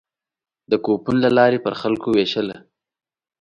د کوپون له لارې پر خلکو وېشله.